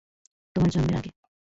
তোমার জন্মের আগে।